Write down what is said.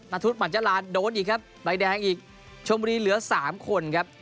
ทุษหั่นจราโดนอีกครับใบแดงอีกชมบุรีเหลือ๓คนครับ